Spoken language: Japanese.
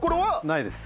ないです。